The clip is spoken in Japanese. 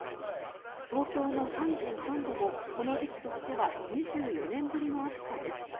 東京の３３度もこの時期としては２４年ぶりの暑さです。